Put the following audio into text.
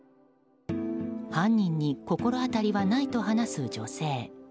犯人に心当たりはないと話す女性。